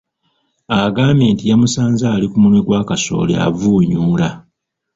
Agambye nti yamusanze ali ku munwe gwa kasooli avunyuula.